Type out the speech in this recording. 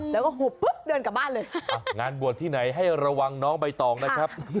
แล้วก็หุบปุ๊บเดินกลับบ้านเลยงานบวชที่ไหนให้ระวังน้องใบตองนะครับ